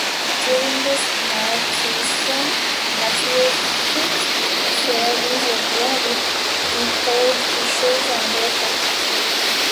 During the smelt season, naturists share this area with declothed fishers and their families.